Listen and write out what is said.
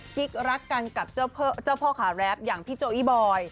กิ๊กรักกันกับเจ้าพ่อขาแรปอย่างพี่โจอี้บอย